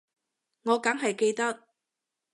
我梗係記得